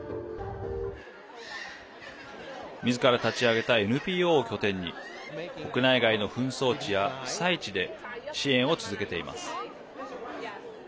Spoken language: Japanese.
みずから立ち上げたＮＰＯを拠点に国内外の紛争地や被災地で支援を続けています。